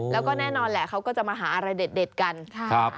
แล้วก็แน่นอนแหละเขาก็จะมาหาอะไรเด็ดกัน